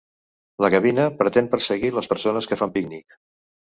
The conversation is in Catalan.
La gavina pretén perseguir les persones que fan pícnic.